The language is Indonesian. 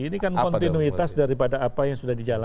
ini kan kontinuitas daripada apa yang sudah dijalankan